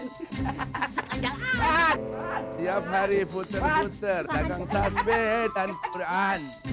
ia hari hari puter puter saja dengan beberan